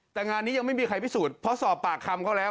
แต่งานนี้ยังไม่มีใครพิสูจน์เพราะสอบปากคำเขาแล้ว